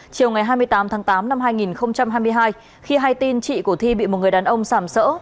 chiều ngày hai mươi tám tháng tám năm hai nghìn hai mươi hai khi hai tin chị của thi bị một người đàn ông sảm sỡ